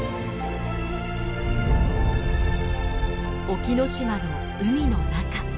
沖ノ島の海の中。